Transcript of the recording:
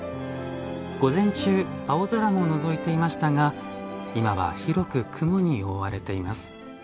午前中、青空ものぞいていましたが今は広く雲に覆われています。